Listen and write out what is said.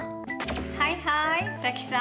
はいはい早紀さん。